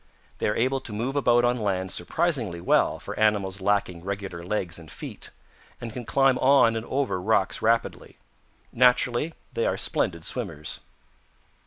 They are able to move about on land surprisingly well for animals lacking regular legs and feet, and can climb on and over rocks rapidly. Naturally they are splendid swimmers.